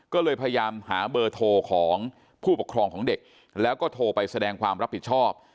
ก็เลยพยายามหาเบอร์โทรของผู้ปกครองของเด็กแล้วก็โทรไปแสดงความรับผิดชอบ